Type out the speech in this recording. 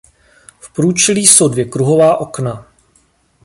V průčelí jsou dvě kruhová okna.